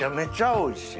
おいしい。